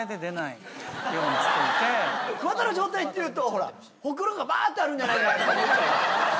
桑田の状態っていうとほらほくろがバーッてあるんじゃないかなと。